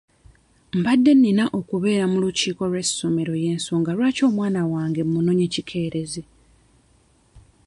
Mbadde nina okubeera mu lukiiko lw'essomero y'ensonga lwaki omwana wange mmunonye kikeerezi.